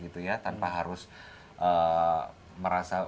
tanpa harus merasa jatuh lagi